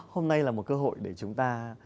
hôm nay là một cơ hội để chúng ta